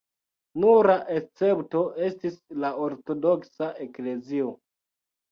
Nura escepto estis la ortodoksa eklezio.